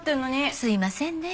すいませんね。